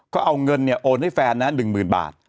เขาเอาเงินเนี่ยโอนให้แฟนนั้น๑๐๐๐๐บาท